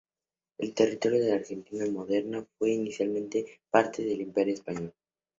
El territorio de la Argentina moderna fue inicialmente parte del Imperio Español.